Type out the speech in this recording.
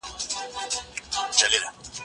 زه له سهاره ونې ته اوبه ورکوم!.